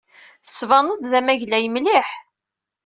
Tettbaneḍ-d d amaglay mliḥ.